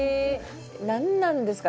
何なんですか？